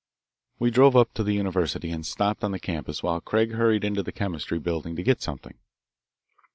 We drove up to the university and stopped on the campus while Craig hurried into the Chemistry Building to get something.